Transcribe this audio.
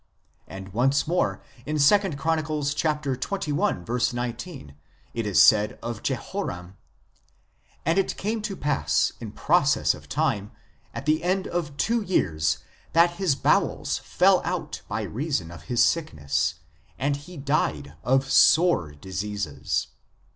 And, once more, in 2 Chron. xxi. 19 it is said of Jehoram :" And it came to pass in process of time, at the end of two years, that his bowels fell out by reason of his sickness, and he died of sore diseases.